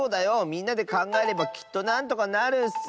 みんなでかんがえればきっとなんとかなるッス！